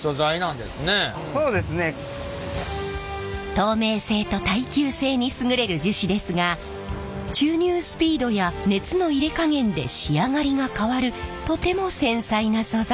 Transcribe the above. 透明性と耐久性に優れる樹脂ですが注入スピードや熱の入れ加減で仕上がりが変わるとても繊細な素材。